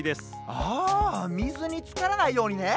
あみずにつからないようにね！